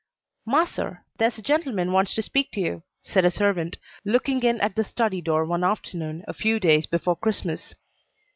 "Massa, dere's a gentleman wants to speak to you," said a servant, looking in at the study door one afternoon a few days before Christmas.